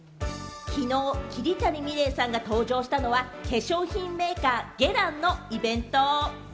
きのう桐谷美玲さんが登場したのは化粧品メーカー・ゲランのイベント。